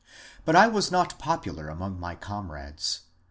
But I was not popu lar among my comrades.